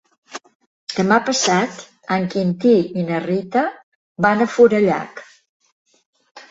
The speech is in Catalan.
Demà passat en Quintí i na Rita van a Forallac.